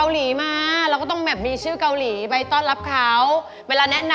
นี่บ้านต้องความล่าสุดไปขับรถผ่าน